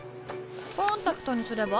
コンタクトにすれば？